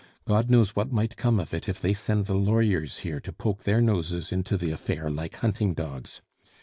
God knows what might come of it if they send the lawyers here to poke their noses into the affair like hunting dogs.